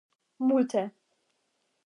multe